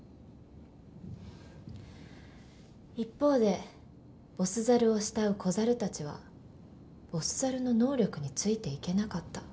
一方でボス猿を慕う小猿たちはボス猿の能力についていけなかった